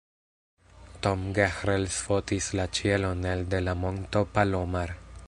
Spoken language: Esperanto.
Tom Gehrels fotis la ĉielon elde la Monto Palomar.